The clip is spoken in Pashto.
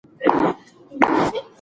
ځان یې د زړښت په پاړکو ښکته روان ولید.